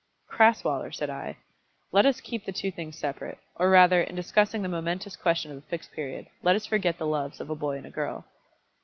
"Crasweller," said I, "let us keep these two things separate; or rather, in discussing the momentous question of the Fixed Period, let us forget the loves of a boy and a girl."